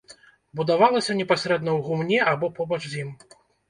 Будавалася непасрэдна ў гумне або побач з ім.